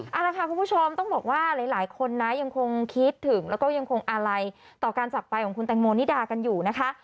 เอาละค่ะคุณผู้ชมต้องบอกว่าหลายคนนะยังคงคิดถึงแล้วก็ยังคงอาลัยต่อการจักรไปของคุณแตงโมนิดากันอยู่นะคะ